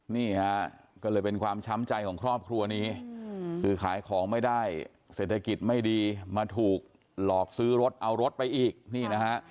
นี่ฮะก็เลยเป็นความช้ำใจของครอบครัวนี้คือขายของไม่ได้เศรษฐกิจไม่ดีมาถูกหลอกซื้อรถเอารถไปอีกนี่นะฮะ